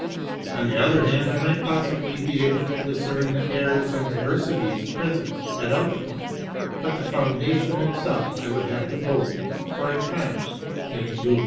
On the other hand I might possibly be able to discern the errors and perversities present at other points; but the foun dation itself I would have to hold for a time in dubio.